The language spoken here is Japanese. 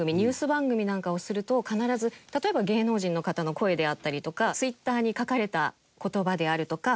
番組なんかをすると必ず例えば芸能人の方の声であったりとかＴｗｉｔｔｅｒに書かれた言葉であるとか。